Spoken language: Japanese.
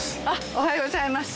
おはようございます。